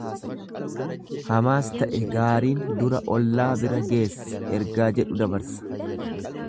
Hamaas ta'e gaariin dura ollaa bira geessi ergaa jedhu dabarsa.